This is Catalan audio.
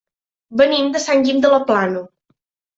Venim de Sant Guim de la Plana.